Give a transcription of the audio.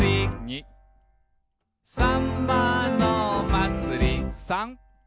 「さんまのまつり」「さん」